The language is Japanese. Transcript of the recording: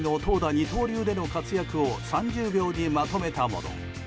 二刀流での活躍を３０秒にまとめたもの。